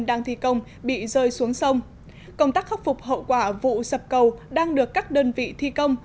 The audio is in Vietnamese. đang thi công bị rơi xuống sông công tác khắc phục hậu quả vụ sập cầu đang được các đơn vị thi công